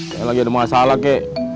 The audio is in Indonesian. saya lagi ada masalah kek